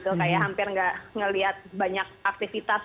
hampir tidak melihat banyak aktivitas